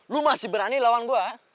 lu masih berani lawan gue